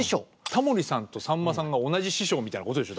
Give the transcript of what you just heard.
タモリさんとさんまさんが同じ師匠みたいなことでしょ。